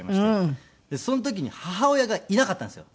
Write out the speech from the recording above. その時に母親がいなかったんですよ。